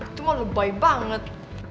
itu malu baik banget